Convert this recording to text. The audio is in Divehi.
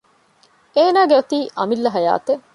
އޭނާގެ އޮތީ އަމިއްލަ ޙަޔާތެއް